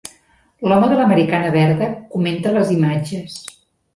L'home de l'americana verda comenta les imatges.